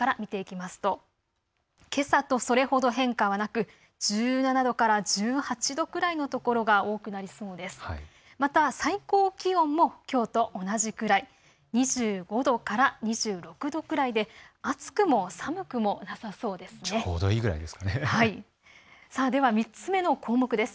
また最高気温もきょうと同じくらい２５度から２６度くらいで暑くも寒くもなさそうです。